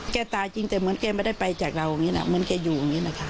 แกตายจริงแต่เหมือนแกไม่ได้ไปจากเราอย่างนี้นะ